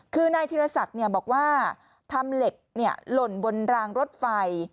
คือนายธิรศักดิ์บอกว่าทำเหล็กหล่นบนรางรถไฟ